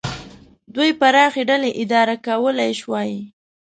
دوی پراخې ډلې اداره کولای شوای.